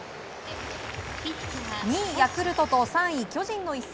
２位ヤクルトと３位、巨人の一戦。